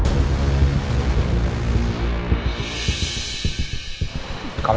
masa pertama di rumahnya iqbal